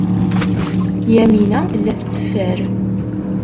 Yamina tella tetteffer.